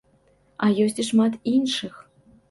А ёсць і шмат іншых!